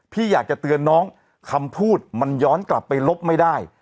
พี่อยากจะเตือนน้องคำพูดมันย้อนกลับไปลบไม่ได้